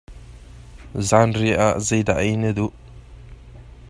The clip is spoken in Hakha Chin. Zaanriah ah zei dah ei na duh?